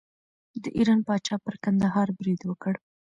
د ایران پاچا پر کندهار برید وکړ.